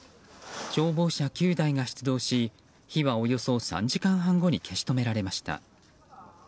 消防車９台が出動し火は、およそ３時間半後に消し止められました。